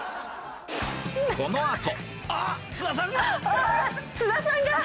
このあと